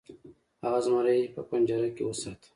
هغه زمری په پنجره کې وساته.